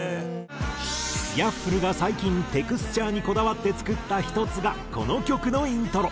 Ｙａｆｆｌｅが最近テクスチャーにこだわって作った１つがこの曲のイントロ。